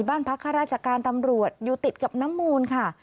บ้านพักข้าราชการตำรวจอยู่ติดกับน้ำมูลค่ะ